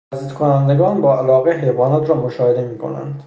بازدیدکنندگان با علاقه حیوانات را مشاهده میکنند